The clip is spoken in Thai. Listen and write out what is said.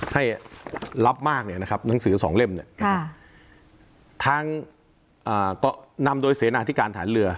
ให้รับมากเนี่ยนะครับหนังสือสองเล่มเนี่ยทางก็นำโดยเสนาที่การฐานเรือ